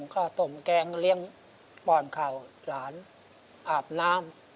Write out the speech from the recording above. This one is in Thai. ข้าวต้มแกงเลี้ยงป่อนเข่าหลานอาบน้ำ